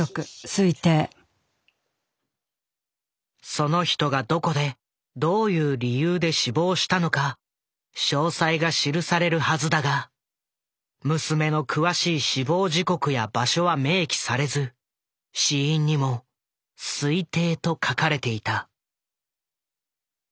その人がどこでどういう理由で死亡したのか詳細が記されるはずだが娘の詳しい死亡時刻や場所は明記されず死因にも「推定」と書かれていた。